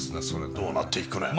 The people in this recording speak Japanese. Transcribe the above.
どうなっていくのやら。